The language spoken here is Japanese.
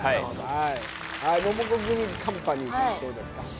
はいはいモモコグミカンパニーさんどうですか？